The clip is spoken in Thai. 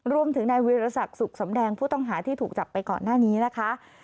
รวมถึงนายวิรสักสุขสำแดงผู้ต้องหาที่ถูกจับไปก่อนหน้านี้นะคะ